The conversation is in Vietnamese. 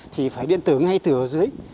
thì phải điện tử ngay từ ở dưới